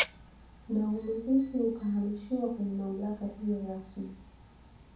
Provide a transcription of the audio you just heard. Na umiliki ukahamishiwa kwenye mamlaka hiyo rasmi